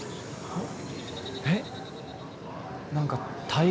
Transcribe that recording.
うん？